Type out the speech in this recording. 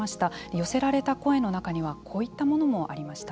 寄せられた声の中にはこういったものもありました。